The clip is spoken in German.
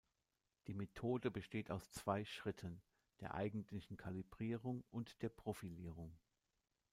Die Methode besteht aus zwei Schritten: der eigentlichen Kalibrierung und der Profilierung.